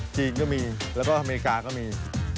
จีนก็มีแล้วก็อเมริกาก็มี